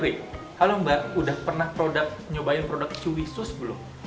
lalu mbak sudah pernah mencoba produk chewy sus belum